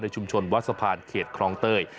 ชุมชนวัดสะพานเขตคลองเตย